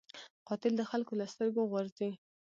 قاتل د خلکو له سترګو غورځي